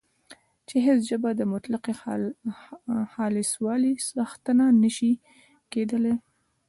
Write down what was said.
چې هیڅ ژبه د مطلقې خالصوالي څښتنه نه شي کېدلای